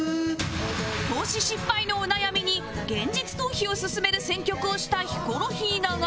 投資失敗のお悩みに現実逃避を勧める選曲をしたヒコロヒーだが